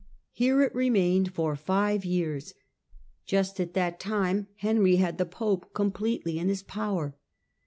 Here it remained for five years. Just at that time Henry had the pope completely in his power.